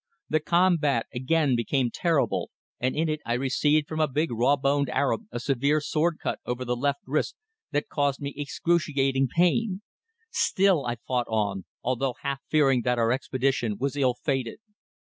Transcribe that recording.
The combat again became terrible, and in it I received from a big, raw boned Arab a severe sword cut over the left wrist that caused me excruciating pain. Still I fought on, although half fearing that our expedition was ill fated.